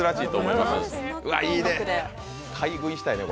うわ、いいね。